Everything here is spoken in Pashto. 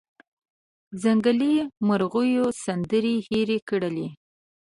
ځنګلي مرغېو سندرې هیرې کړلې